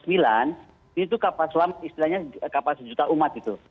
ini tuh kapal selam istilahnya kapal sejuta umat gitu